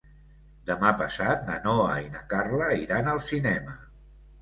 Demà passat na Noa i na Carla iran al cinema.